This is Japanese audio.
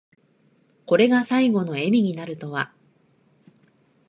これが最期の笑みになるとは。